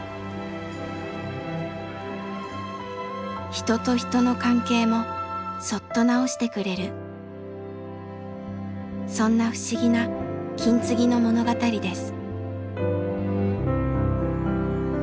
人と人の関係もそっと直してくれるそんな不思議な金継ぎの物語です。